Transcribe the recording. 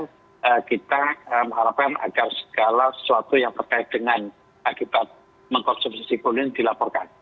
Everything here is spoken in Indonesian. eee kita mengharapkan agar segala sesuatu yang terkait dengan akibat mengkonsumsi s cikbul ini dilaporkan